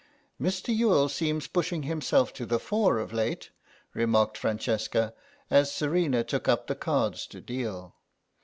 "Mr. Youghal seems pushing himself to the fore of late," remarked Francesca, as Serena took up the cards to deal.